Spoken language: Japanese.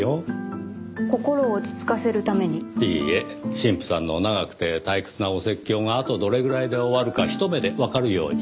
神父さんの長くて退屈なお説教があとどれぐらいで終わるかひと目でわかるように。